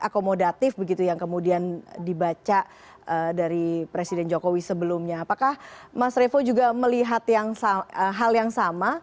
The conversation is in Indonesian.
akomodatif begitu yang kemudian dibaca dari presiden jokowi sebelumnya apakah mas revo juga melihat hal yang sama